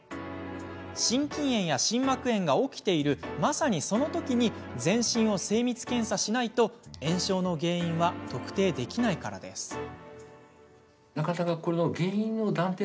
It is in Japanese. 心筋炎や心膜炎が起きているまさにそのときに全身を精密検査しないと炎症の原因は特定できないからです。